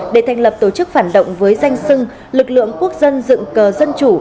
để thành lập tổ chức phản động với danh sưng lực lượng quốc dân dựng cờ dân chủ